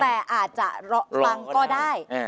แต่อาจจะฟังก็ได้